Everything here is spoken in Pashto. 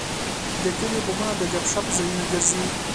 د کلیو بامونه د ګپ شپ ځایونه ګرځي.